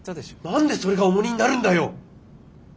何でそれが重荷になるんだよ！